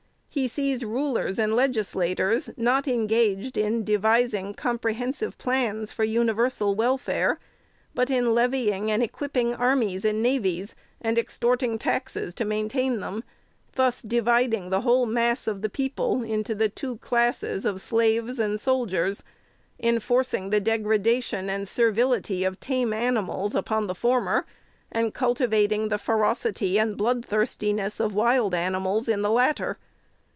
He sees rulers and legislators, not engaged in devising comprehensive plans for universal welfare, but in levying and equipping armies and navies, and extorting taxes to maintain them, thus dividing the whole mass of the people into the two classes of slaves and soldiers; enforcing the degradation and ser vility of tame animals upon the former, and cultivating the ferocity and blood thirstiness of wild animals in the latter.